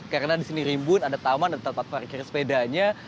karena di sini rimbun ada taman ada tempat parkir sepedanya